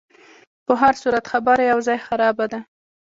په هرصورت خبره یو ځای خرابه ده.